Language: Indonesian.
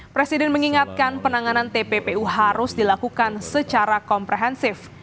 presiden mengingatkan penanganan tppu harus dilakukan secara komprehensif